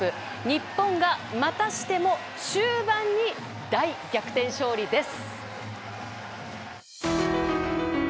日本がまたしても終盤に大逆転勝利です。